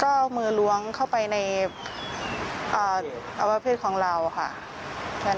ก็เอามือล้วงเข้าไปในอวะเพศของเราค่ะเท่านั้น